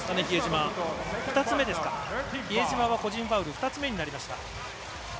比江島は個人ファウル２つ目になりました。